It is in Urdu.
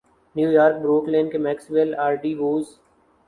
نیو یارک بروکلین کے میکسویل آرڈی ووز